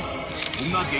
［そんな激